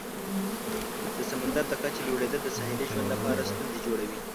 د سمندر د کچې لوړیدل د ساحلي ژوند لپاره ستونزې جوړوي.